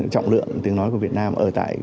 trọng lượng tiếng nói của việt nam ở tại